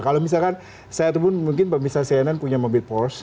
kalau misalkan saya temukan mungkin pak bisa cnn punya mobil porsche